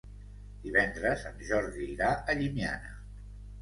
Divendres en Jordi irà a Llimiana.